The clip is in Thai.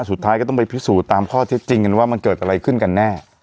สุดท้ายก็ต้องไปพิสูจน์ตามข้อเท็จจริงกันว่ามันเกิดอะไรขึ้นกันแน่